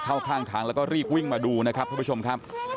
เข้าข้างทางแล้วก็รีบวิ่งมาดูนะครับทุกผู้ชมครับ